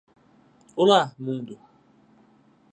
Olá, mundo.